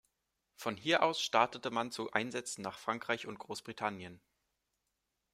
Von hier aus startete man zu Einsätzen nach Frankreich und Großbritannien.